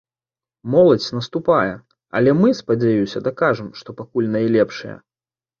Моладзь наступае, але мы, спадзяюся, дакажам, што пакуль найлепшыя!